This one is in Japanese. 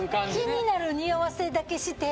気になるにおわせだけして。